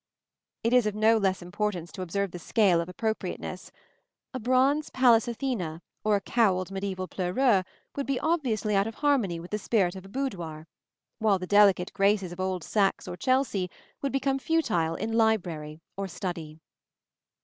It is of no less importance to observe the scale of appropriateness. A bronze Pallas Athene or a cowled mediæval pleureur would be obviously out of harmony with the spirit of a boudoir; while the delicate graces of old Saxe or Chelsea would become futile in library or study.